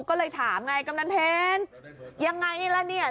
ก็เลยถามไงกำนันเพชรยังไงล่ะเนี่ย